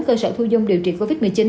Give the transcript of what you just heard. cơ sở thu dung điều trị covid một mươi chín